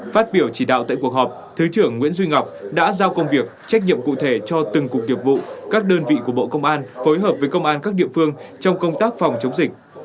phát biểu chỉ đạo tại cuộc họp thứ trưởng nguyễn duy ngọc đã giao công việc trách nhiệm cụ thể cho từng cục nghiệp vụ các đơn vị của bộ công an phối hợp với công an các địa phương trong công tác phòng chống dịch